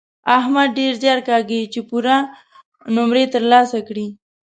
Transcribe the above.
احمد ډېر زیار کاږي چې پوره نومرې تر لاسه کړي.